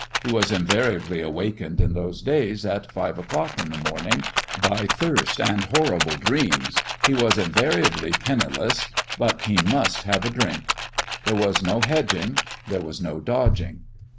He was invariably THEOLOGICAL TRAINING 161 awakened, in those days, at five o'clock in the morning, by thirst and horrible dreams. He was invariably penniless ; but he must have a drink. There was no hedging : there was no dodging.